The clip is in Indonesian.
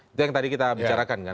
itu yang tadi kita bicarakan kan